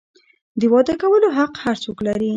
د واده کولو حق هر څوک لري.